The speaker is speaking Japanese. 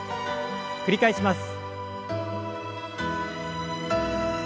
繰り返します。